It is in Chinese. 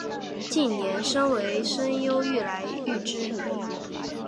近年身为声优愈来愈知名。